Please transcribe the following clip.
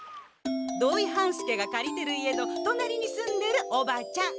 土井半助がかりてる家の隣に住んでるおばちゃん。